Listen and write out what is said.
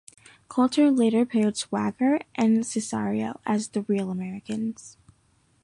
Colter later paired Swagger and Cesaro as "The Real Americans".